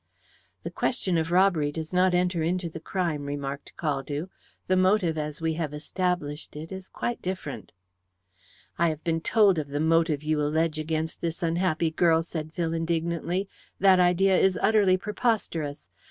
"The question of robbery does not enter into the crime," remarked Caldew. "The motive, as we have established it, is quite different." "I have been told of the motive you allege against this unhappy girl," said Phil indignantly. "That idea is utterly preposterous.